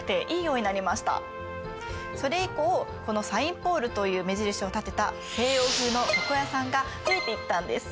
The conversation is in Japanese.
それ以降このサインポールという目印を立てた西洋風の床屋さんが増えていったんです。